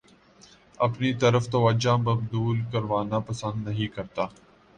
اپنی طرف توجہ مبذول کروانا پسند نہیں کرتا